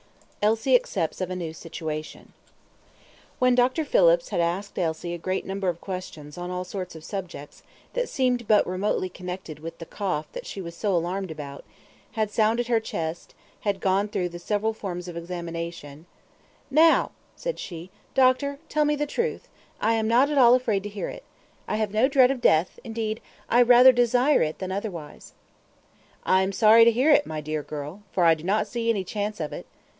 Elsie Accepts Of A New Situation When Dr. Phillips had asked Elsie a great number of questions on all sorts of subjects, that seemed but remotely connected with the cough that she was so alarmed about had sounded her chest, and gone through the several forms of examination "Now," said she, "Doctor, tell me the truth; I am not at all afraid to hear it. I have no dread of death; indeed, I rather desire it than otherwise." "I am sorry to hear it, my dear girl; for I do not see any chance of it.